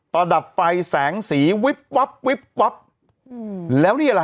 ระดับไฟแสงสีวิบวับวิบวับอืมแล้วนี่แหละ